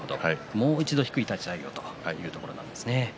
もう一度、低い立ち合いをというところなんですね。